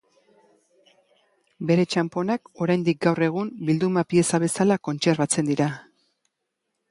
Bere txanponak oraindik gaur egun bilduma pieza bezala kontserbatzen dira.